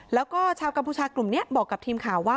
แล้วก็ชาวกัมพูชากลุ่มนี้บอกกับทีมข่าวว่า